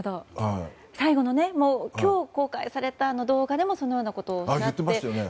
最後の今日、公開された動画でもそのようなことをおっしゃってましたよね。